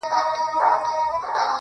پرېږده چي وپنځوي ژوند ته د موسی معجزې.